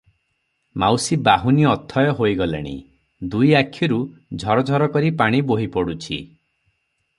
'ମାଉସୀ ବାହୁନି ଅଥୟ ହୋଇ ଗଲେଣି, ଦୁଇ ଆଖିରୁ ଝର ଝର କରି ପାଣି ବୋହି ପଡୁଛି ।